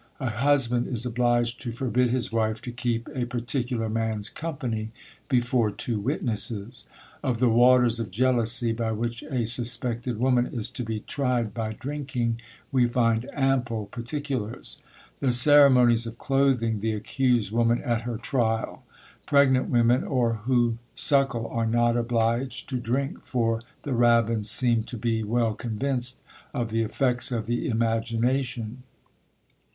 A husband is obliged to forbid his wife to keep a particular man's company before two witnesses. Of the waters of jealousy by which a suspected woman is to be tried by drinking, we find ample particulars. The ceremonies of clothing the accused woman at her trial. Pregnant women, or who suckle, are not obliged to drink for the rabbins seem to be well convinced of the effects of the imagination.